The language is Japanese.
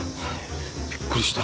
びっくりした